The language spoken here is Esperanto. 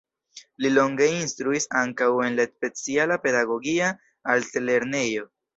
Li longe instruis ankaŭ en la speciala pedagogia altlernejo.